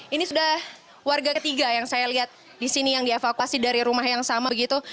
ini sudah warga ketiga yang saya lihat di sini yang dievakuasi dari rumah yang sama begitu